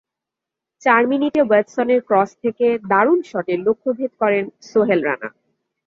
চার মিনিটে ওয়েডসনের ক্রস থেকে দারুণ শটে লক্ষ্যভেদ করেন সোহেল রানা।